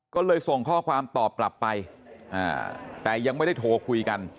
ก็เลยส่งข้อความตอบกลับไปแต่ยังไม่ได้โทรคุยกัน